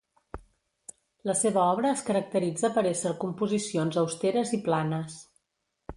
La seva obra es caracteritza per ésser composicions austeres i planes.